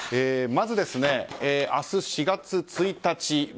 まず、明日４月１日。